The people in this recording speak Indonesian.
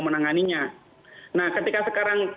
menanganinya nah ketika sekarang